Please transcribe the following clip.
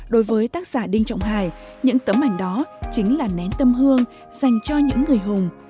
đối với tác giả đinh trọng hải những tấm ảnh đó chính là nén tâm hương dành cho những người hùng